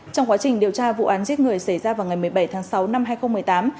trong quá trình điều tra vụ án giết người xảy ra vào ngày một mươi bảy tháng sáu năm hai nghìn một mươi tám